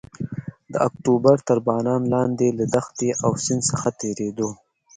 د اکتوبر تر باران لاندې له دښتې او سیند څخه تېرېدو.